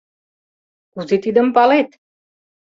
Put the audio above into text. — Кузе тидым палет?